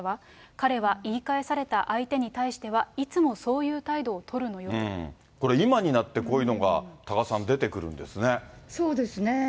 彼は言い返された相手に対しては、これ、今になってこういうのが、多賀さん、そうですね。